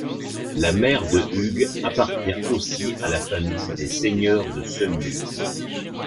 La mère de Hugues appartient aussi à la famille des seigneurs de Semur.